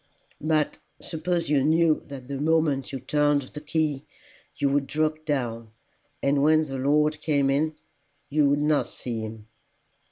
"But suppose you knew that the moment you turned the key you would drop down, and when the Lord came in you would not see him."